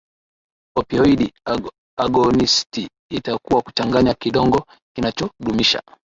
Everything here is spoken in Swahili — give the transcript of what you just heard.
opioidi agonisti itakuwa kuchanganya kidonge kinachodumisha